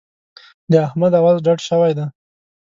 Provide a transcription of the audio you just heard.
د احمد اواز ډډ شوی دی.